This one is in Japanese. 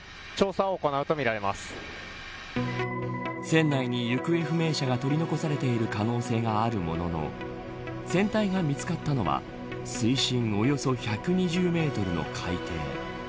船内に行方不明者が取り残されている可能性があるものの船体が見つかったのは水深およそ１２０メートルの海底。